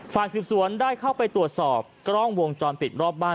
ฝ่ายสืบสวนได้เข้าไปตรวจสอบกล้องวงจรปิดรอบบ้าน